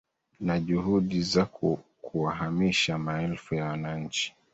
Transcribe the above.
na juhudi za kuwahamisha maelfu ya wananchi